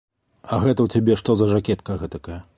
А гэта ў цябе што за жакетка гэтакая?